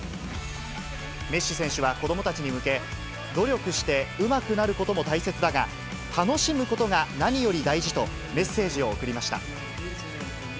メッシ選手は子どもたちに向け、努力してうまくなることも大切だが、楽しむことが何より大事と、メッセージを送りました。